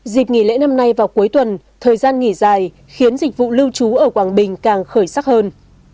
dịp nghỉ lễ năm nay vào cuối tuần thời gian nghỉ dài khiến dịch vụ lưu trú ở quảng bình càng khởi sắc hơn